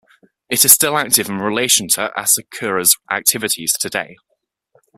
It is still active in relation to Asakura's activities today.